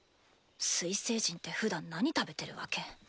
水星人ってふだん何食べてるわけ？